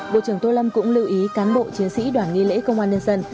bộ trưởng tô lâm cũng lưu ý cán bộ chiến sĩ đoàn nghi lễ công an nhân dân